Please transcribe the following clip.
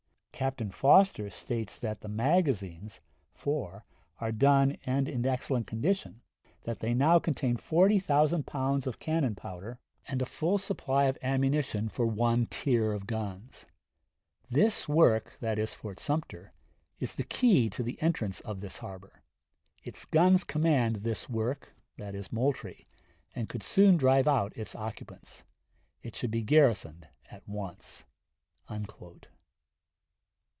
Captain Foster states that the magazines (four) are done and in excellent condition; that they now contain forty thousand pounds of cannon powder and a full supply of ammunition for one tier of guns. This work [Sumter] is the key to the entrance of this harbor; its guns command this work [Moultrie], and could soon drive out its occupants. It should be garrisoned at once."